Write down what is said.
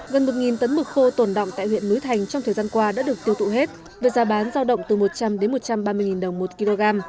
gần một tấn mực khô tồn động tại huyện núi thành trong thời gian qua đã được tiêu tụ hết với giá bán giao động từ một trăm linh đến một trăm ba mươi đồng một kg